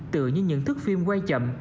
tựa như những thức phim quay chậm